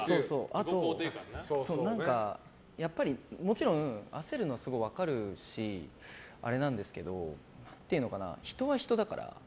あと、やっぱりもちろん焦るのはすごい分かるしあれなんですけど人は人だから。